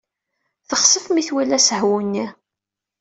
Texsef mi twala asehwu-nni.